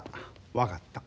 分かった。